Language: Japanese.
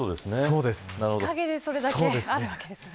日陰でそれだけあるわけですね。